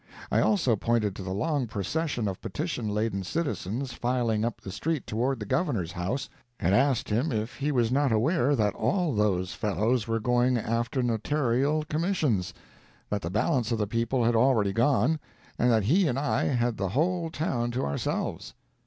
I also pointed to the long procession of petition laden citizens filing up the street toward the Governor's house, and asked him if he was not aware that all those fellows were going after notarial commissions—that the balance of the people had already gone, and that he and I had the whole town to ourselves?